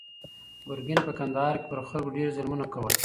ګرګین په کندهار کې پر خلکو ډېر ظلمونه کول.